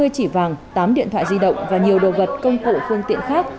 hai mươi chỉ vàng tám điện thoại di động và nhiều đồ vật công cụ phương tiện khác